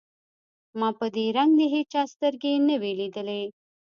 ما په دې رنگ د هېچا سترګې نه وې ليدلې.